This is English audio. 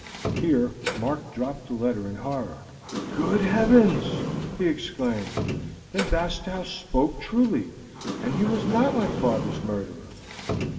Here Mark dropped the letter in horror. "Good Heavens!" he exclaimed. "Then Bastow spoke truly, and he was not my father's murderer!